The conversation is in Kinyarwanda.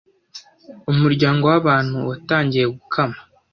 Umuryango wabantu watangiye gukama